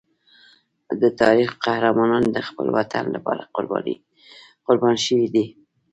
د تاریخ قهرمانان د خپل وطن لپاره قربان شوي دي.